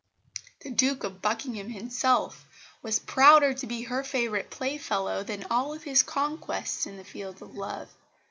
The Duke of Buckingham, himself, was prouder to be her favourite playfellow than of all his conquests in the field of love.